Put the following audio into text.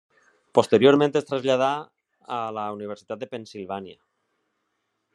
Posteriorment es traslladà a la Universitat de Pennsilvània.